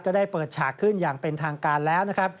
ได้เปิดฉากขึ้นอย่างเป็นทางการแล้วนะครับ